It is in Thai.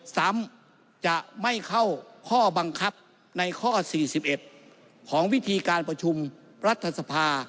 ซ้ำจะไม่เข้าข้อบังคับในข้อ๔๑ของวิธีการประชุมรัฐสภา